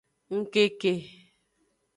Ngkeke.